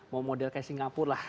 mau model kayak singapura lah